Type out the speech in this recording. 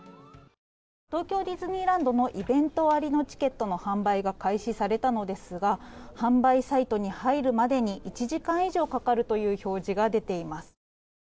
東京ディズニーランドのイベント割のチケットの販売が開始されたのですが販売サイトに入るまでに１時間以上かかるという表示が出ています。